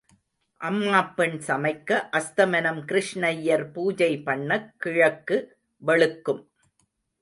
அம்மாப் பெண் சமைக்க அஸ்தமனம் கிருஷ்ணையர் பூஜை பண்ணக் கிழக்கு வெளுக்கும்.